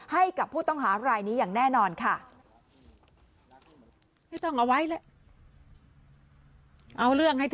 ให้กับผู้ต้องหารายนี้อย่างแน่นอนค่ะ